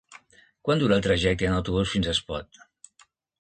Quant dura el trajecte en autobús fins a Espot?